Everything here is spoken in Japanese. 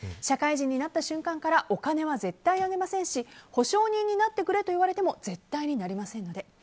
社会人になった瞬間からお金は絶対あげませんし保証人になってくれと言われても絶対になりませんので。